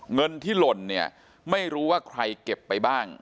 เงินที่หล่นเนี่ยไม่รู้ว่าใครเก็บไปบ้าง